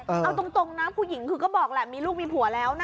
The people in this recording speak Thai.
เอาตรงนะผู้หญิงคือก็บอกแหละมีลูกมีผัวแล้วนะ